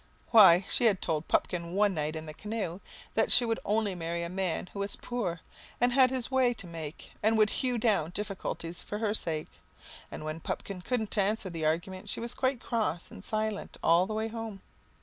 Why, she had told Pupkin one night in the canoe that she would only marry a man who was poor and had his way to make and would hew down difficulties for her sake. And when Pupkin couldn't answer the argument she was quite cross and silent all the way home.